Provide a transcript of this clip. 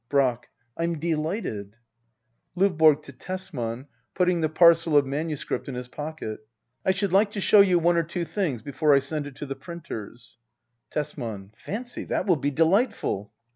Brack. Fm delighted LdVBORO. [To Tesman^ putting the parcel of MS, in his pocket,"] I should like to show you one or two things before I send it to the printers. Tesman. Fancy — that will be delightful.